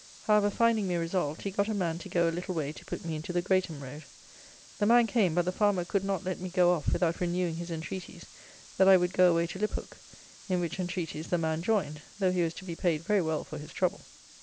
However, finding me resolved, he got a man to go a little way to put me into the Greatham road. The man came, but the farmer could not let me go off without renewing his entreaties, that I would go away to Liphook, in which entreaties the man joined, though he was to be paid very well for his trouble.